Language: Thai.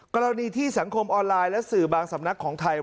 กรณีที่สังคมออนไลน์และสื่อบางสำนักของไทย